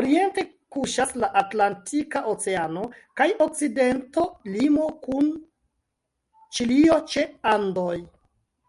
Oriente kuŝas la Atlantika Oceano kaj okcidento limo kun Ĉilio ĉe Andoj.